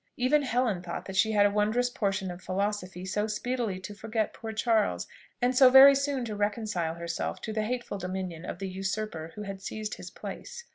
Even Helen thought that she had a wondrous portion of philosophy so speedily to forget poor Charles, and so very soon to reconcile herself to the hateful dominion of the usurper who had seized his place.